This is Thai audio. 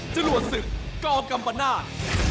จรวดศึกกอล์มกำปะนาฬ